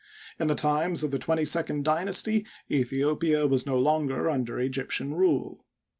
In the times of the twenty second dynasty Aethiopia was no longer un der Egyptian rule.